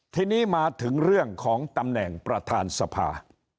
ทีนี้มาถึงเรื่องของตำแหน่งประธานสภา